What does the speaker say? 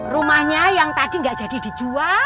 rumahnya yang tadi nggak jadi dijual